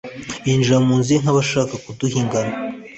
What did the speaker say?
Binjira mu nzu ye nk’abashaka kudaha ingano